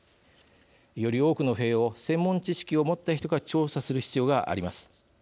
より多くの塀を専門知識を持った人が調査する必要があります。